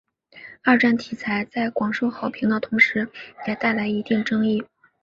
二战题材在广受好评的同时也带来一定争议。